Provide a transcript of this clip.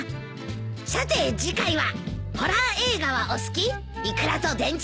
さて次回は。